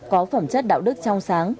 có phẩm chất đạo đức trong sáng